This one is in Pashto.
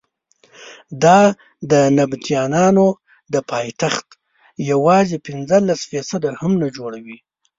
دا د نبطیانو د پایتخت یوازې پنځلس فیصده هم نه جوړوي.